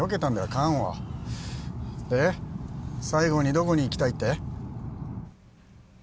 缶をで最後にどこに行きたいって？